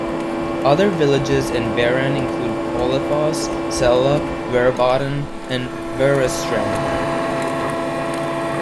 Other villages in Verran include Follafoss, Sela, Verrabotn, and Verrastranda.